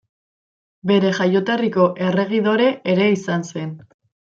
Bere jaioterriko erregidore ere izan zen.